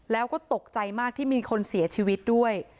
แล้วก็ตกใจมากที่มีคนเสียชีวิตด้วย